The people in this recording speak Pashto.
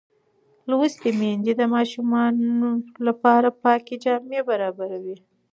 لوستې میندې د ماشوم لپاره پاکې جامې برابروي.